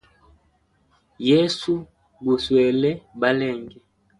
Yesu guswele balenge.